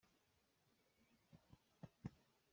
Nan ṭuang a naal ngai.